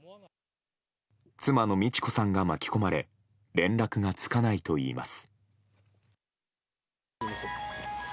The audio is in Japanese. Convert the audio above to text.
妻の路子さんが巻き込まれ連絡がつかないといいます。